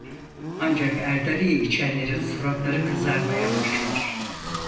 Ancak Erdali'yi içenlerin suratları kızarmaya başlar.